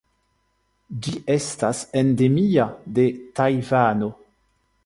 Ĝi estas endemia de Tajvano.